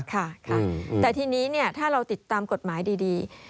ค่ะแต่ทีนี้ถ้าเราติดตามกฎหมายดี